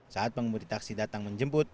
saat pengemudi taksi datang menjemput